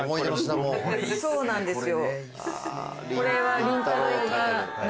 そうなんですよ。